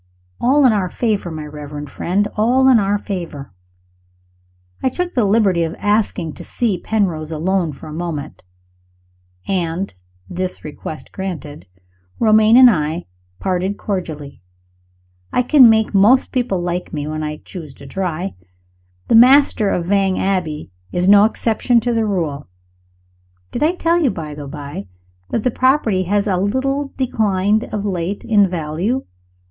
All in our favor, my reverend friend all in our favor! I took the liberty of asking to see Penrose alone for a moment; and, this request granted, Romayne and I parted cordially. I can make most people like me, when I choose to try. The master of Vange Abbey is no exception to the rule. Did I tell you, by the by, that the property has a little declined of late in value?